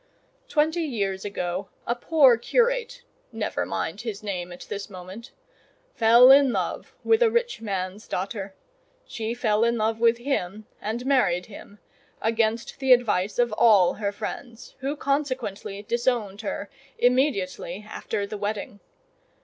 "Twenty years ago, a poor curate—never mind his name at this moment—fell in love with a rich man's daughter; she fell in love with him, and married him, against the advice of all her friends, who consequently disowned her immediately after the wedding.